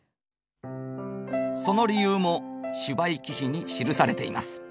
その理由も種梅記碑に記されています。